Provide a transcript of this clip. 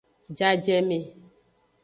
Jajeme.